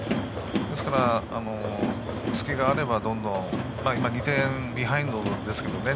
ですから、隙があれば今、２点ビハインドですけどね。